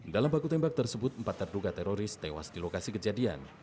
dalam baku tembak tersebut empat terduga teroris tewas di lokasi kejadian